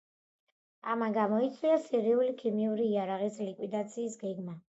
ამან გამოიწვია სირიული ქიმიური იარაღის ლიკვიდაციის გეგმა.